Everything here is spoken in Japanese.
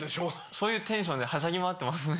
そういうテンションではしゃぎ回ってますね。